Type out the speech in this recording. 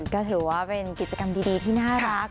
ก็ถือว่าเป็นกิจกรรมดีที่น่ารัก